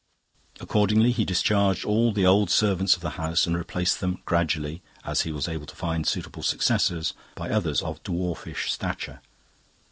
Accordingly, he discharged all the old servants of the house and replaced them gradually, as he was able to find suitable successors, by others of dwarfish stature.